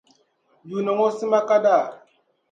Yuuni ŋɔ sima ka daa.